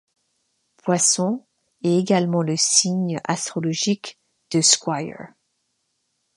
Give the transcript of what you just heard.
Poissons est également le signe astrologique de Squire.